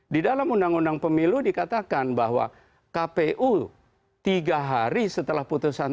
di dalam undang undang pemilu dikatakan bahwa kpu tiga hari setelah putusan